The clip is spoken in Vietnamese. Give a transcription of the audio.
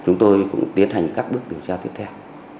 chúng tôi cũng tiến hành các bước điều tra tiếp theo